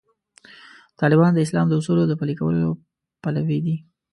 طالبان د اسلام د اصولو د پلي کولو پلوي دي.